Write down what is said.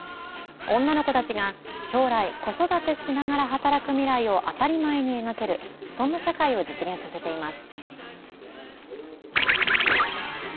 女の子たちが将来子育てしながら働く未来を当たり前に描けるそんな社会を実現させています。